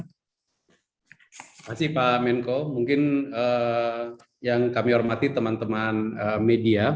terima kasih pak menko mungkin yang kami hormati teman teman media